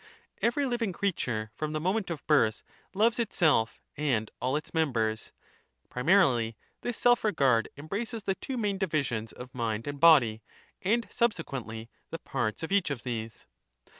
Every living creature, from the moment of birth, loves itself and all its members; primarily this self regard embraces the two main divisions of mind and body, and subsequently the parts of each of these.